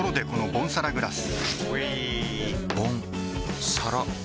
ボンサラグラス！